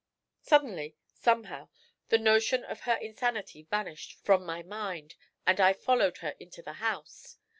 Suddenly, somehow, the notion of her insanity vanished from my mind, and I followed her into the house.